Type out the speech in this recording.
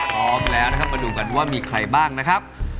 พร้อมแล้วนะครับมาดูกันว่ามีใครบ้างนะครับ